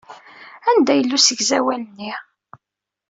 Anda yella usegzawal-nni?